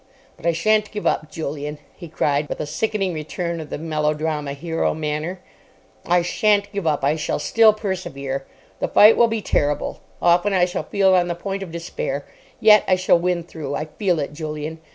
"But I shan't give up, Julian," he cried, with a sickening return of the melodrama hero manner; "I shan't give up. I shall still persevere. The fight will be terrible. Often I shall feel on the point of despair. Yet I shall win through. I feel it, Julian.